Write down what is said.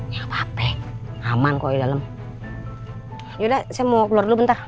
ya apa apa aman kok di dalem yaudah saya mau keluar dulu bentar